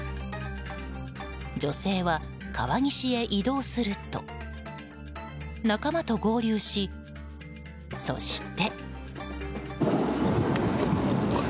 女性は川岸へ移動すると仲間と合流し、そして。